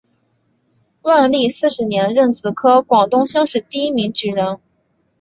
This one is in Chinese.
万历四十年壬子科广东乡试第一名举人。